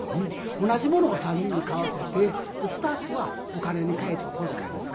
同じものを３人に買わせて２つはお金に換えてお小遣いにする。